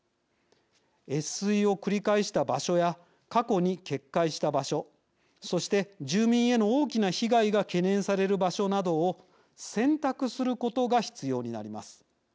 越水を繰り返した場所や過去に決壊した場所そして住民への大きな被害が懸念される場所などを選択することが必要になります。